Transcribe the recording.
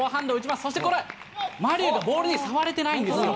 そしてこれ、馬龍がボールに触れてないんですよ。